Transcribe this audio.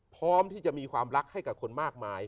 พร้อมที่จะมีความรักให้กับคนมากมาย